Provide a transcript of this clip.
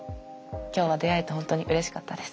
今日は出会えて本当にうれしかったです。